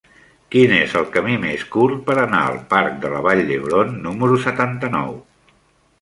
Quin és el camí més curt per anar al parc de la Vall d'Hebron número setanta-nou?